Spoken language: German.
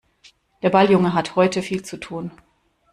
Der Balljunge hat heute viel zu tun.